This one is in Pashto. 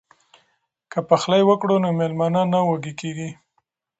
که پخلی وکړو نو میلمانه نه وږي کیږي.